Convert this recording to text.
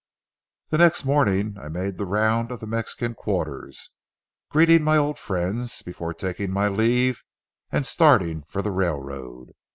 The next morning, I made the round of the Mexican quarters, greeting my old friends, before taking my leave and starting for the railroad.